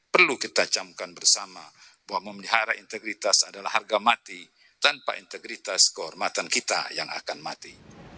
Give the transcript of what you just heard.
perlu kita camkan bersama bahwa memelihara integritas adalah harga mati tanpa integritas kehormatan kita yang akan mati